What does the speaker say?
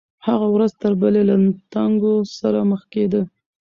هغه ورځ تر بلې له تنګو سره مخ کېده.